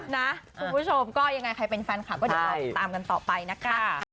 นะคุณผู้ชมก็ยังไงใครเป็นแฟนคลับก็เดี๋ยวรอติดตามกันต่อไปนะคะ